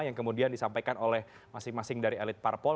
yang kemudian disampaikan oleh masing masing dari elit parpol